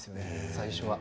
最初は。